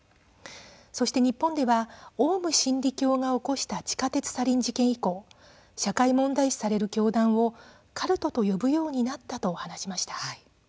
そして、日本ではオウム真理教が起こした地下鉄サリン事件以降社会問題視される教団をカルトと呼ぶようになったと話しました。